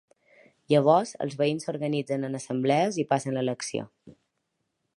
Llavors, els veïns s’organitzen en assemblees i passen a l’acció.